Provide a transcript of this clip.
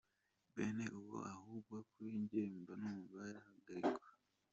Bene uwo ahubwo kuri jye mba numva yahagarikwa.